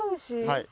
はい。